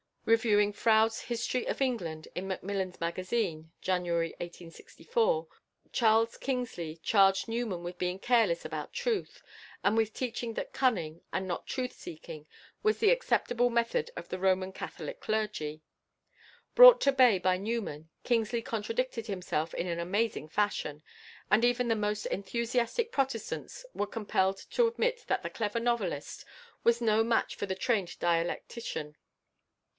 Reviewing Froude's "History of England" in Macmillan's Magazine (January 1864), Charles Kingsley charged Newman with being careless about truth, and with teaching that cunning and not truth seeking was the acceptable method of the Roman Catholic clergy. Brought to bay by Newman, Kingsley contradicted himself in an amazing fashion, and even the most enthusiastic Protestants were compelled to admit that the clever novelist was no match for the trained dialectician.